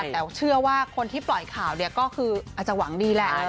แต่เชื่อว่าคนที่ปล่อยข่าวเนี่ยก็คืออาจจะหวังดีแหละ